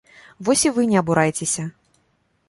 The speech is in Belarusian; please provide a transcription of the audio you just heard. Вось і вы не абурайцеся.